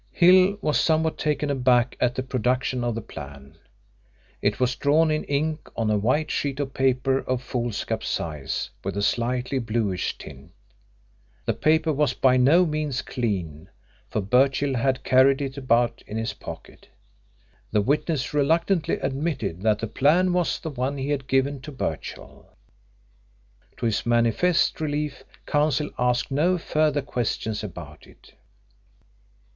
Hill was somewhat taken aback at the production of the plan. It was drawn in ink on a white sheet of paper of foolscap size, with a slightly bluish tint. The paper was by no means clean, for Birchill had carried it about in his pocket. The witness reluctantly admitted that the plan was the one he had given to Birchill. To his manifest relief Counsel asked no further questions about it.